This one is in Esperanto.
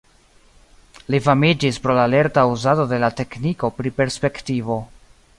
Li famiĝis pro la lerta uzado de la tekniko pri perspektivo.